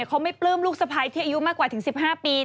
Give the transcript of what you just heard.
เขาไม่ปลื้มลูกสะพ้ายที่อายุมากกว่าถึง๑๕ปี